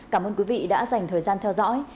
cảm ơn quý vị đã dành thời gian theo dõi